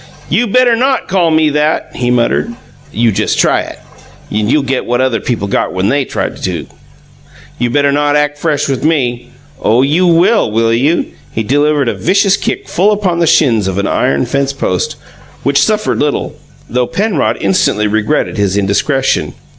"You better NOT call me that!" he muttered. "You just try it, and you'll get what other people got when THEY tried it. You better not ack fresh with ME! Oh, you WILL, will you?" He delivered a vicious kick full upon the shins of an iron fence post, which suffered little, though Penrod instantly regretted his indiscretion.